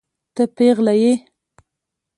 ته پيغله يې.